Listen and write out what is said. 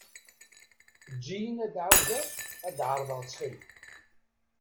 Eǧǧ-iyi ad εawdeɣ ad εerḍeɣ ttxil.